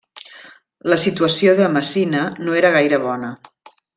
La situació de Messina no era gaire bona.